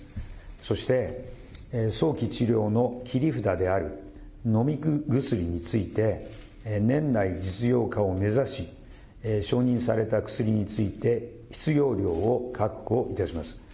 そして、早期治療の切り札である、飲み薬について、年内実用化を目指し、承認された薬について必要量を確保いたします。